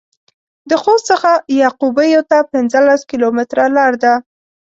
د خوست څخه يعقوبيو ته پنځلس کيلومتره لار ده.